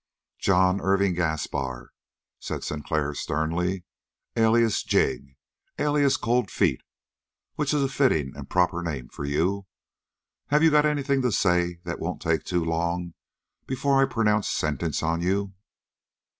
"John Irving Gaspar," said Sinclair sternly, "alias Jig, alias Cold Feet which is a fitting and proper name for you have you got anything to say that won't take too long before I pronounce sentence on you?"